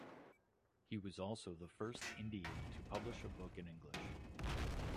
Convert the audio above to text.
He was also the first Indian to publish a book in English.